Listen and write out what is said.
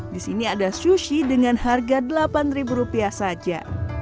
di sini ada sushi dengan harga rp delapan saja